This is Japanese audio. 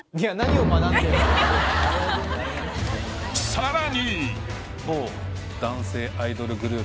［さらに］